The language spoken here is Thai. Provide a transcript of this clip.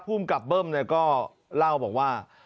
ภูมิกับเบิ้มก็เล่าบอกว่า